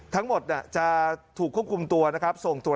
ทั้งหมดจะถูกควบคุมตัวส่งตัว